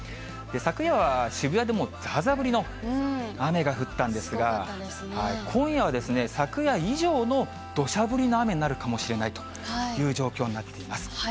昨夜は渋谷でも、ざーざー降りの雨が降ったんですが、今夜は昨夜以上のどしゃ降りの雨になるかもしれないという状況になってきます。